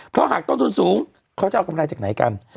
เพราะหากต้นทุนสูงเขาจะเอากำไรจากไหนกัน